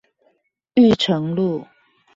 裕誠路